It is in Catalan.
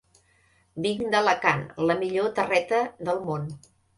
Vinc d'Alacant, la millor terreta del mon.